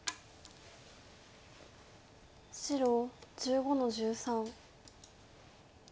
白１５の十三。